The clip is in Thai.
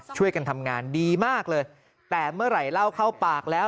ช่วยกันทำงานดีมากเลยแต่เมื่อไหร่เล่าเข้าปากแล้ว